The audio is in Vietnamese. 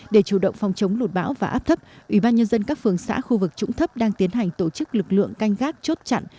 để chủ động phòng chống lụt bão và áp thấp ủy ban nhân dân các phường xã khu vực trũng thấp đang tiến hành tổ chức lực lượng canh gác chốt chặn